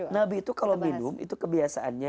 nabi itu kalau minum itu kebiasaannya